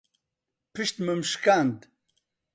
پشتمم شکاند.